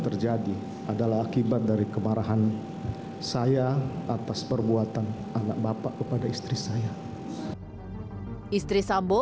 terjadi adalah akibat dari kemarahan saya atas perbuatan anak bapak kepada istri saya istri sambo